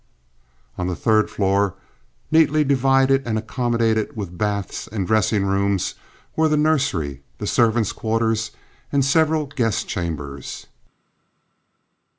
On the third floor, neatly divided and accommodated with baths and dressing rooms, were the nursery, the servants' quarters, and several guest chambers.